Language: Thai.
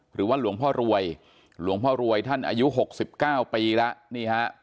หรือว่าหลวงพ่อรวยหลวงพ่อรวยท่านอายุ๖๙ปีแล้วนี่ฮะ